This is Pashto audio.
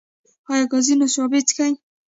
ایا ګازي نوشابې څښئ؟